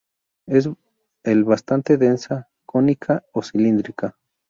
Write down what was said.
El bastante densa, cónica o cilíndrica.